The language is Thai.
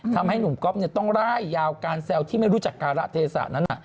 ทำให้หนุ่มก๊อฟต้องร่ายยาวการแซวที่ไม่รู้จักการะเทศะนั้น